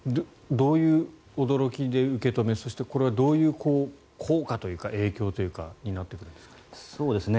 どういう驚きで受け止めてそして、これはどういう効果というか影響になってくるんですか。